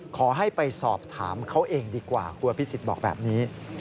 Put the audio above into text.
ขอให้ไปสอบถามเขาเองดีกว่าคุณอภิษฎบอกแบบนี้